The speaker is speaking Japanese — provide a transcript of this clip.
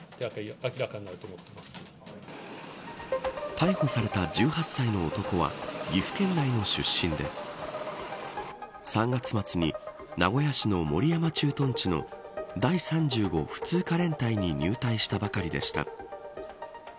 逮捕された１８歳の男は岐阜県内の出身で３月末に名古屋市の守山駐屯地の第３５普通科連隊に入隊したばかりでした。